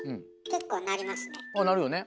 結構鳴りますね。